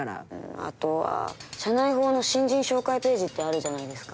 あとは社内報の新人紹介ページってあるじゃないですか。